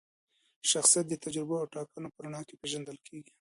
شخصیت د تجربو او ټاکنو په رڼا کي پیژندل کیږي.